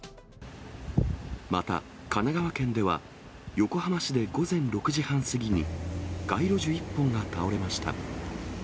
また、神奈川県では、横浜市で午前６時半過ぎに、街路樹１本が倒れました。